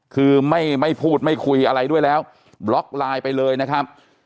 คือไม่พูดไม่คุยอะไรด้วยแล้วบล็อกไลน์ไปเลยนะครับ